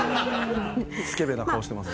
スケベな顔してます。